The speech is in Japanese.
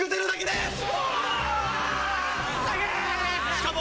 しかも。